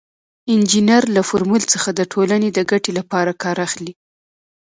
انجینر له فورمول څخه د ټولنې د ګټې لپاره کار اخلي.